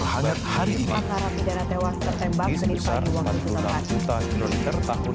jurnal siang hanya di berita satu